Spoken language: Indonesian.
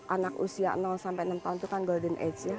anak usia sampai enam tahun itu kan golden age ya